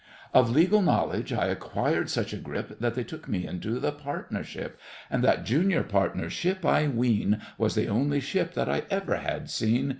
Of legal knowledge I acquired such a grip That they took me into the partnership. And that junior partnership, I ween, Was the only ship that I ever had seen.